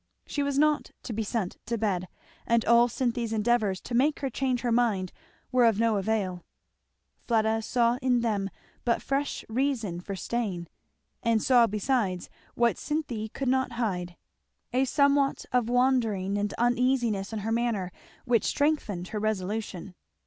She was not to be sent to bed, and all Cynthy's endeavours to make her change her mind were of no avail. Fleda saw in them but fresh reason for staying, and saw besides, what Cynthy could not hide, a somewhat of wandering and uneasiness in her manner which strengthened her resolution.